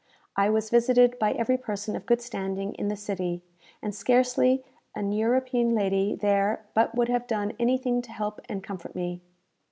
I was visited by every person of good standing in the city, and scarcely an European lady there but would have done anything to help and comfort me.